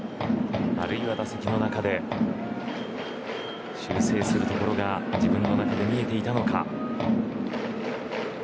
あるいは打席の中で修正するところが自分の中で見えていたのか。